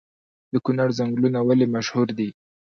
د کونړ ځنګلونه ولې مشهور دي؟